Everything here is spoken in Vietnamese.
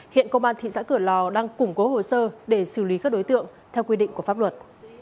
hiện công an thị xã cửa lò đang củng cố hồ sơ để xử lý các đối tượng theo quy định của pháp luật